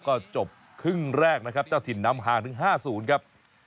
ก็จบครึ่งแรกนะครับเจ้าถิ่นนำห่างถึง๕๐ครับ